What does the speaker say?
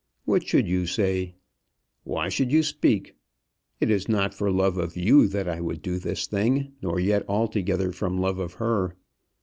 What should you say? Why should you speak? It is not for love of you that I would do this thing; nor yet altogether from love of her.